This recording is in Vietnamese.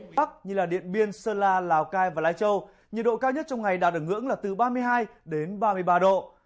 bắc như điện biên sơn la lào cai và lai châu nhiệt độ cao nhất trong ngày đạt ở ngưỡng là từ ba mươi hai đến ba mươi ba độ